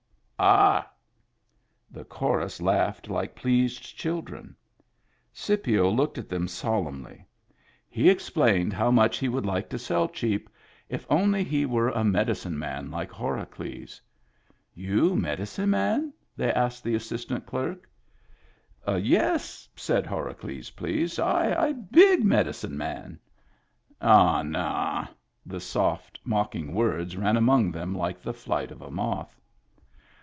"Ah I" The chorus laughed like pleased children. Scipio looked at them solemnly. He explained Digitized by Google S6 MEMBERS OF THE FAMILY how much he would like to sell cheap, if only he were a medicine man like Horacles. "You medicine man?" they asked the assist ant clerk. " Yes," said Horacles, pleased. " I big medi cine man." " Ah, nah !" The soft, mocking words ran among them like the flight of a moth.